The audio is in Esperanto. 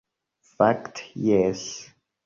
Fakte jes!